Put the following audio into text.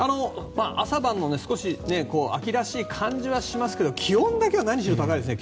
朝晩、少し秋らしい感じはしますけども気温だけは高いですね。